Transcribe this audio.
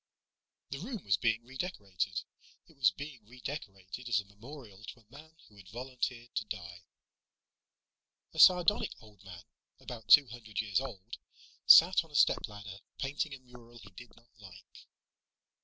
The room was being redecorated. It was being redecorated as a memorial to a man who had volunteered to die. A sardonic old man, about two hundred years old, sat on a stepladder, painting a mural he did not like.